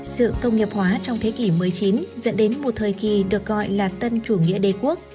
sự công nghiệp hóa trong thế kỷ một mươi chín dẫn đến một thời kỳ được gọi là tân chủ nghĩa đế quốc